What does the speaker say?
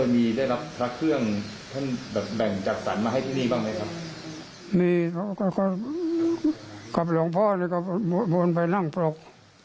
มีกับหลวงพ่อเนี่ยก็บวนไปนั่งปรก